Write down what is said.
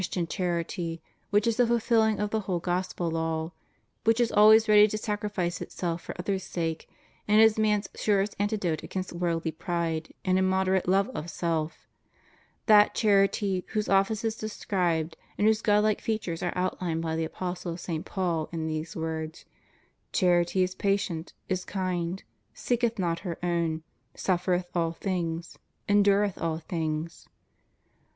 tian charity which is the fulfilling of the whole Gospel law, which is always ready to sacrifice itself for others' sake, and is man's surest antidote against worldly pride and im moderate love of self; that charity whose ofl&ce is described and whose Godhke features are outhned by the Apostle St. Paul in these words: Charity is patient, is kind, ... seeketh not her own, .... suffereth all things, ... endureth all things.